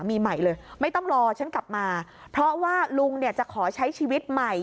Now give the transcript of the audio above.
แล้วก็เดินทางกลับมาที่บ้าน